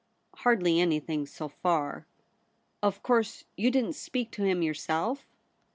' Hardly anything, so far.' ' Of course you didn't speak to him your self?'